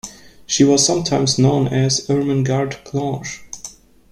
She was sometimes known as Ermengarde-Blanche.